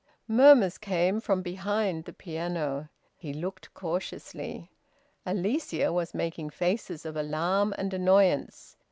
Murmurs came from behind the piano. He looked cautiously. Alicia was making faces of alarm and annoyance.